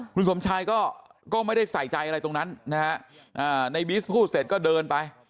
คุณสมชายก็ไม่ได้ใส่ใจอะไรตรงนั้นนะฮะในบีสพูดเสร็จก็เดินไป